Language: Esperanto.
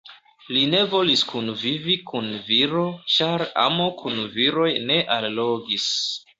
Li ne volis kunvivi kun viro, ĉar amo kun viroj ne allogis.